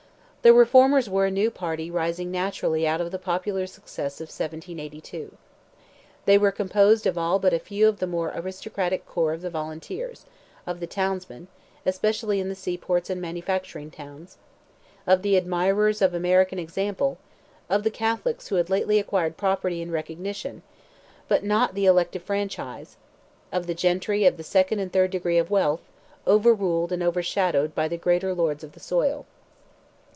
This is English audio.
The Reformers were a new party rising naturally out of the popular success of 1782. They were composed of all but a few of the more aristocratic corps of the volunteers, of the townsmen, especially in the seaports and manufacturing towns, of the admirers of American example, of the Catholics who had lately acquired property and recognition, but not the elective franchise, of the gentry of the second and third degree of wealth, overruled and overshadowed by the greater lords of the soil.